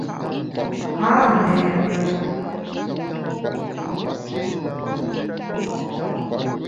A méére na iraade.